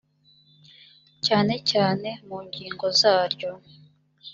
cyane cyane mu ngingo zaryo